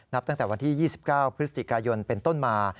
ตั้งแต่วันที่๒๙พฤศจิกายนเป็นต้นมา